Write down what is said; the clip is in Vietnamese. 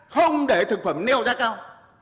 không để thực phẩm nêu ra cao